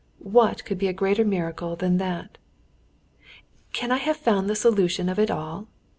"What could be a greater miracle than that? "Can I have found the solution of it all?